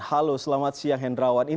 halo selamat siang hendrawan